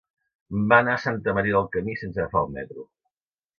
Va anar a Santa Maria del Camí sense agafar el metro.